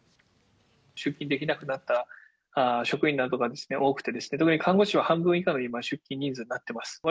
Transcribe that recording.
出勤できなくなった職員などが多くて、特に看護師は半分以下の今、出勤人数になってます。